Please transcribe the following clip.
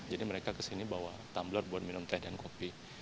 jadi mereka kesini bawa tumbler buat minum teh dan kopi